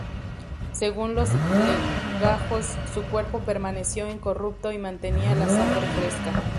Según los legajos su cuerpo permaneció incorrupto y mantenía la sangre fresca.